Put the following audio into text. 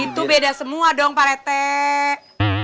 itu beda semua dong pak retek